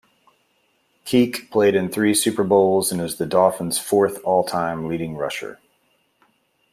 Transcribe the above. Kiick played in three Super Bowls and is the Dolphins' fourth all-time leading rusher.